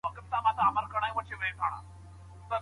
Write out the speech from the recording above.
لاژوردي څپو کې